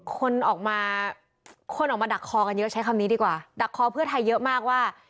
คนออกมาคนออกมาดักคอกันเยอะใช้คำนี้ดีกว่าดักคอเพื่อไทยเยอะมากว่า